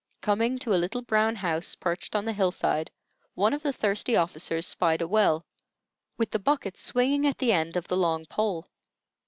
Coming to a little brown house perched on the hillside, one of the thirsty officers spied a well, with the bucket swinging at the end of the long pole.